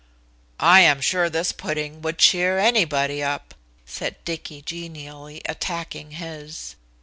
"I am sure this pudding would cheer anybody up," said Dicky genially, attacking his.